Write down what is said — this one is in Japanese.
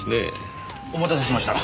お待たせしました。